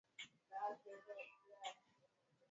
Zaidi ya hapo mitindo ya vitenge imeanza kuonekana